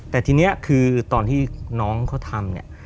แต่ทีนี้คือตอนที่น้องเค้าทำ